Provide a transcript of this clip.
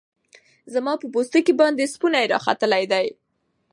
زما په پوستکی باندی سپوڼۍ راختلې دی